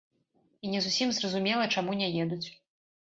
І не зусім зразумела, чаму не едуць.